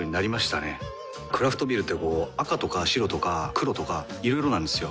クラフトビールってこう赤とか白とか黒とかいろいろなんですよ。